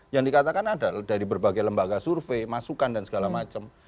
yang dikatakan adalah dari berbagai lembaga survei masukan dan segala macam